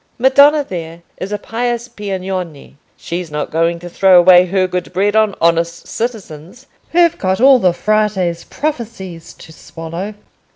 Madonna, there, is a pious Piagnone: she's not going to throw away her good bread on honest citizens who've got all the Frate's prophecies to swallow."